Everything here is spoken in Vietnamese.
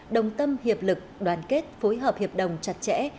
đồng tâm hiệp lực đoàn kết phối hợp hiệp đồng chặt chẽ